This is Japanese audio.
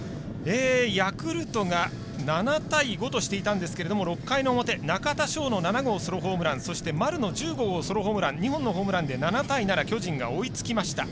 ヤクルトが７対５としてましたが６回の表、中田翔の７号ソロホームラン丸の１０号ソロホームラン２本のホームランで７対７で巨人が追いつきました。